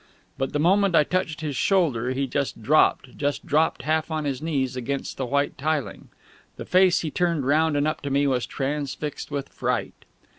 But, the moment I touched his shoulder, he just dropped just dropped, half on his knees against the white tiling. The face he turned round and up to me was transfixed with fright.